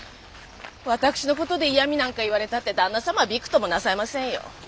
私の事で嫌みなんか言われたって旦那様はびくともなさいませんよ。